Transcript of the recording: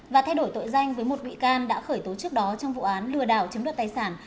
và thay đổi tội danh với một bị can đã khởi tố trước đó trong vụ án lừa đảo chiếm đoạt tài sản